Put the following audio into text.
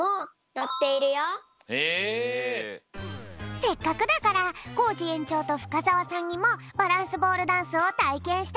せっかくだからコージえんちょうと深澤さんにもバランスボールダンスをたいけんしてもらうぴょん。